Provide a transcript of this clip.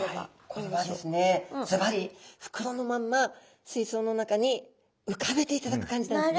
これはですねずばり袋のまんま水槽の中に浮かべていただく感じなんですね。